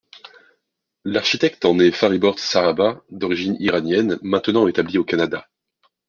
L’architecte en est Fariborz Sahba, d’origine iranienne, maintenant établi au Canada.